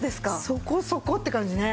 「そこ！そこ！」って感じね。